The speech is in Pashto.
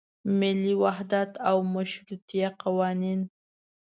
ملي وحدت او مشروطیه قوانین.